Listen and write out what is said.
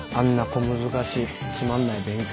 小難しいつまんない勉強。